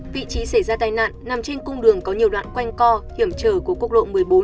vị trí xảy ra tai nạn nằm trên cung đường có nhiều đoạn quanh co hiểm trở của quốc lộ một mươi bốn